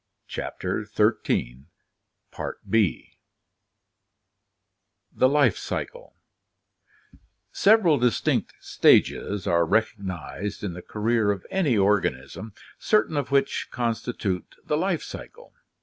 202 ORGANIC EVOLUTION THE LIFE CYCLE Several distinct stages are recognized in the career of any or ganism, certain of which constitute the life cycle.